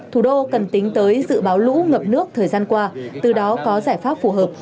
thủ đô cần tính tới dự báo lũ ngập nước thời gian qua từ đó có giải pháp phù hợp